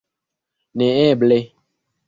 Neeble!